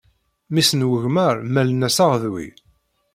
Mmis n wegmar mmaln-as Aɣedwi.